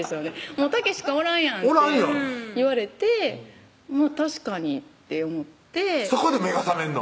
「もうたけしかおらんやん」って言われて確かにって思ってそこで目が覚めんの？